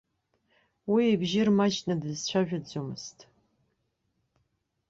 Уи ибжьы рмаҷны дызцәажәаӡомызт.